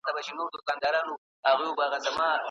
پانګوال به راتلونکي کال د صادراتو نوي قراردادونه لاسليک کړي.